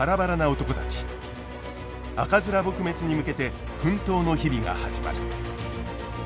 赤面撲滅に向けて奮闘の日々が始まる。